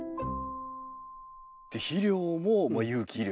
肥料も有機肥料。